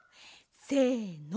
せの！